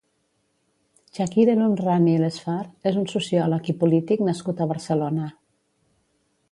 Chakir El Homrani Lesfar és un sociòleg i polític nascut a Barcelona.